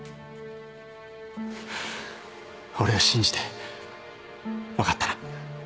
俺を信じて。分かったな？